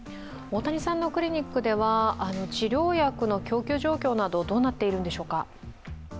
大谷さんのクリニックでは治療薬の供給状況などはどうなっているのでしょうか？